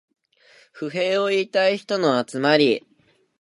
不平を言いたい人の集まり